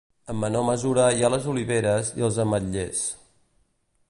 En menor mesura hi ha les oliveres i els ametllers.